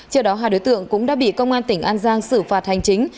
trước đó hai đối tượng cũng đã bị công an tỉnh an giang xử phạt hành chính